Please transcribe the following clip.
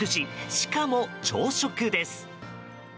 しかも朝食です。